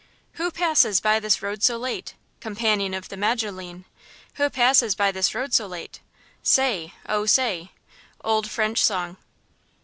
Who passes by this road so late? Companion of the Majolaine! Who passes by this road so late? Say! oh, say! –OLD FRENCH SONG.